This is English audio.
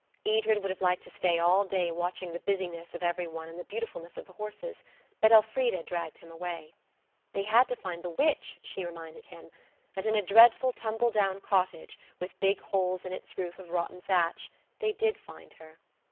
Edred would have liked to stay all day watching the busyness of every one and the beautifulness of the horses, but Elfrida dragged him away. They had to find the witch, she reminded him; and in a dreadful tumble down cottage, with big holes in its roof of rotten thatch, they did find her.